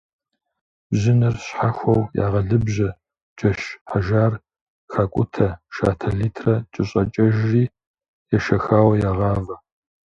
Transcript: Бжьыныр щхьэхуэу ягъэлыбжьэ, джэш хьэжар хакӀутэ, шатэ литрэ кӀэщӀакӀэжри ешэхауэ ягъавэ.